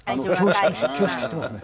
恐縮していますね。